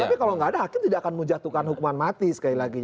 tapi kalau nggak ada hakim tidak akan menjatuhkan hukuman mati sekali lagi